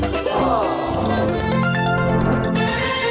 สวัสดีค่ะ